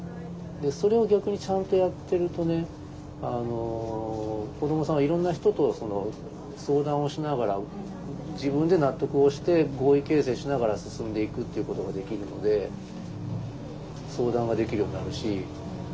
それを逆にちゃんとやってるとね子どもさんはいろんな人と相談をしながら自分で納得をして合意形成しながら進んでいくっていうことができるので相談ができるようになるし。